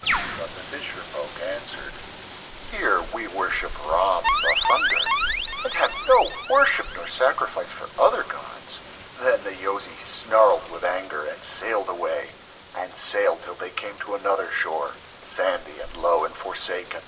But the fisher folk answered: "Here we worship Rahm, the Thunder, and have no worship nor sacrifice for other gods." Then the Yozis snarled with anger and sailed away, and sailed till they came to another shore, sandy and low and forsaken.